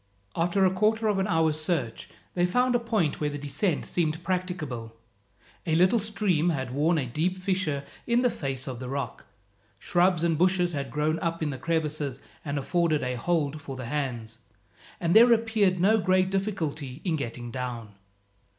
After a quarter of an hour's search, they found a point where the descent seemed practicable. A little stream had worn a deep fissure in the face of the rock. Shrubs and bushes had grown up in the crevices and afforded a hold for the hands, and there appeared no great difficulty in getting down.